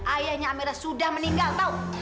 ayahnya amira sudah meninggal tau